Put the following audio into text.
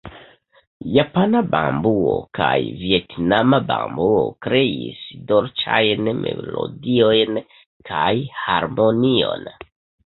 Japana bambuo kaj vjetnama bambuo kreis dolĉajn melodiojn kaj harmonion.